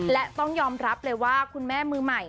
และต้องยอมรับเลยว่าคุณแม่มือใหม่